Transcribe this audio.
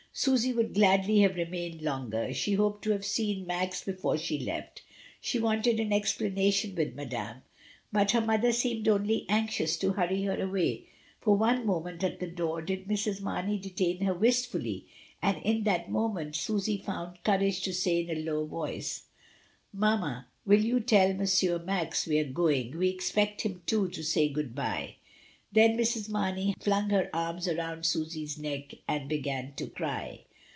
Susy would gladly have remained longer, she hoped to have seen Max before she left; she wanted an explanation with Madame; but her mother seemed only anxious to hurry her away; for one moment at the door did Mrs. Marney detain her wistfully, and in that moment Susy found courage to say in a low voice, "Mamma, you will tell M. Max we are going. We expect him, too, to say good bye." Then Mrs. Marney flung her arms around Susy's neck and began to cry.